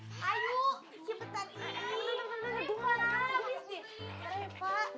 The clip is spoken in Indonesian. gue mau balik gue mau balik